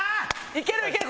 いけるいける！